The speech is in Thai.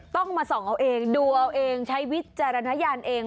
ต้องมาส่องเอาเองดูเอาเองใช้วิจารณญาณเอง